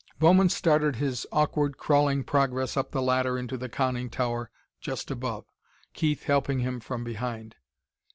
Bowman started his awkward, crawling progress up the ladder into the conning tower just above, Keith helping from behind.